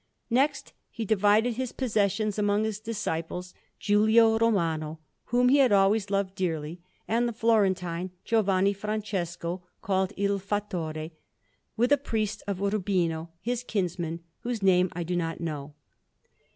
Next, he divided his possessions among his disciples, Giulio Romano, whom he had always loved dearly, and the Florentine Giovanni Francesco, called Il Fattore, with a priest of Urbino, his kinsman, whose name I do not know.